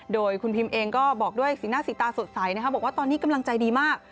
โดยคุณพิมเองก็บอกด้วยสีหน้าสีตาสดใสบอกว่าตอนนี้กำลังใจดีมาก